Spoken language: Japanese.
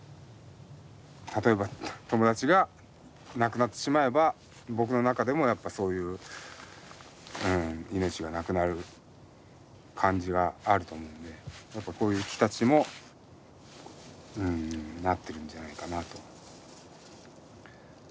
例えば友達が亡くなってしまえば僕の中でもやっぱそういう命がなくなる感じがあると思うのでやっぱこういう木たちもなってるんじゃないかなと。